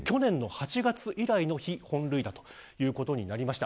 去年の８月以来の被本塁打ということになりました。